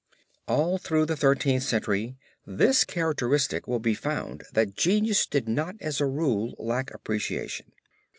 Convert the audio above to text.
All through the Thirteenth Century this characteristic will be found that genius did not as a rule lack appreciation.